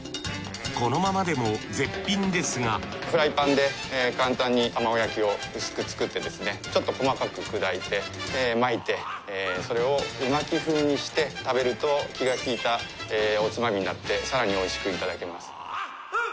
このままでも絶品ですがフライパンで簡単に卵焼きを薄く作ってちょっと細かく砕いて巻いてそれをう巻き風にして食べると気が利いたおつまみになって更においしくいただけます。